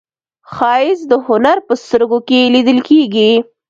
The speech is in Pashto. ښایست د هنر په سترګو کې لیدل کېږي